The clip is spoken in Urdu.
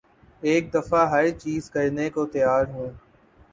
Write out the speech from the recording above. ایک دفعہ ہر چیز کرنے کو تیار ہوں